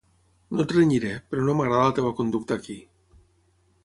No et renyiré, però no m'agrada la teva conducta aquí.